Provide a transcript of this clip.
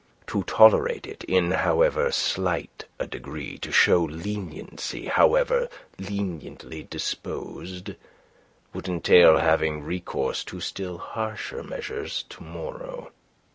To tolerate it, in however slight a degree, to show leniency, however leniently disposed, would entail having recourse to still harsher measures to morrow.